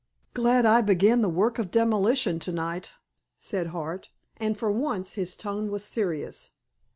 "Glad I began the work of demolition tonight," said Hart, and, for once, his tone was serious.